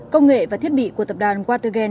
công nghệ và thiết bị của tập đoàn watergen nói chung